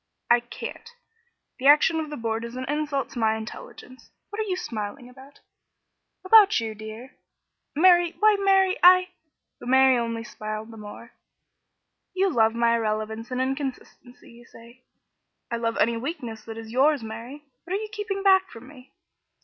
"I can't. The action of the Board is an insult to my intelligence. What are you smiling about?" "About you, dear." "Mary, why, Mary! I " But Mary only smiled the more. "You love my irrelevance and inconsistency, you say, " "I love any weakness that is yours, Mary. What are you keeping back from me?"